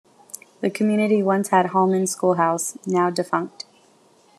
The community once had Holman Schoolhouse, now defunct.